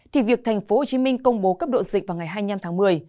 thì việc tp hcm công bố cấp độ dịch vào ngày hai mươi năm tháng một mươi